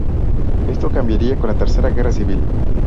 Esto cambiaría con la tercera guerra servil.